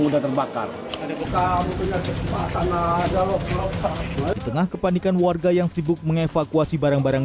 di tengah kepanikan warga yang sibuk mengevakuasi barang barang